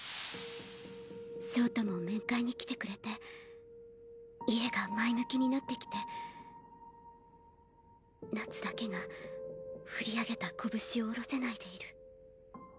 焦凍も面会に来てくれて家が前向きになってきて夏だけが振り上げた拳を下ろせないでいる。